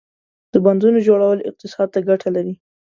• د بندونو جوړول اقتصاد ته ګټه لري.